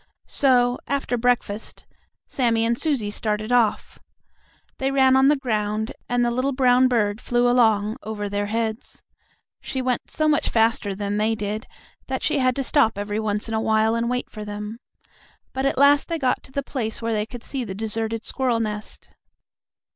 So, after breakfast, Sammie and Susie started off. They ran on the ground and the little brown bird flew along over their heads. She went so much faster than they did that she had to stop every once in a while and wait for them. But at last they got to the place where they could see the deserted squirrel nest.